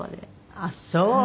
あっそう。